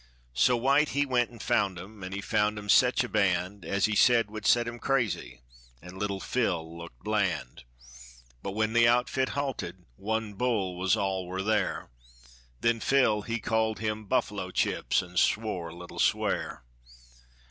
So White he went an' found 'em, an' he found 'em sech a band As he sed would set 'em crazy, an' little Phil looked bland; But when the outfit halted, one bull was all war there. Then Phil he call him "Buffalo Chips," an' swore a little swear.